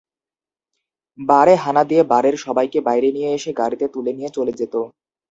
বারে হানা দিয়ে বারের সবাইকে বাইরে নিয়ে এসে গাড়িতে তুলে নিয়ে চলে যেত।